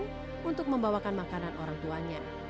dan mencoba makan orang tuanya